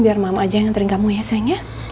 biar mama aja yang nganterin kamu ya sayangnya